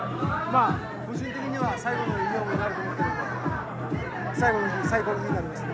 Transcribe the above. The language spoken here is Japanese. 個人的には最後のユニホームになると思ってるので最高の日になりました。